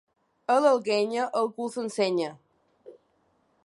A l'Alguenya, el cul s'ensenya.